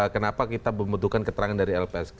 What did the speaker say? kenapa kita membutuhkan keterangan dari lpsk